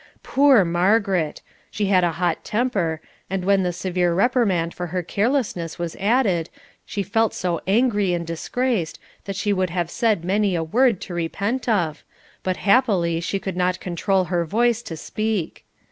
Poor Margaret! She had a hot temper, and when the severe reprimand for her carelessness was added, she felt so angry and disgraced that she would have said many a word to repent of, but happily she could not control her voice to speak.